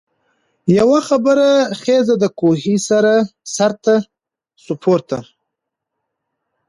په یوه خېز د کوهي سرته سو پورته